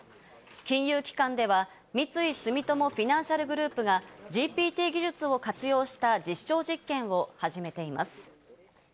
金融機関では三井住友フィナンシャルグループがＧＰＴ技術を活用した実証実験を始めています。